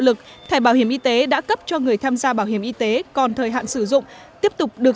lực thẻ bảo hiểm y tế đã cấp cho người tham gia bảo hiểm y tế còn thời hạn sử dụng tiếp tục được